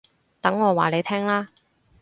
等我話你聽啦